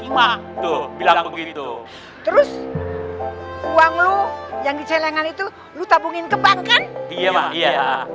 emak tuh bilang begitu terus uang lu yang di celengan itu lu tabungin ke bank kan iya iya